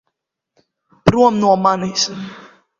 Prom no manis!